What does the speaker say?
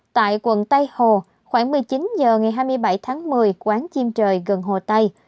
tại quận tây hồ khoảng một mươi chín h ngày hai mươi bảy tháng một mươi quán chim trời gần hồ tây